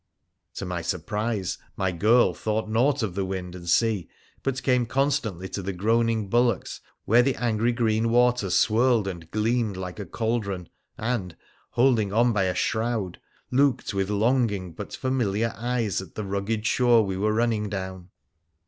To my surprise, my girl thought naught of the wind and sea, but came constantly to the groaning bulwarks, where the angry green water swirled and gleamed like a cauldron, and, holding on by a shroud, looked with longing but familiar eyes at the rugged shore we were running down.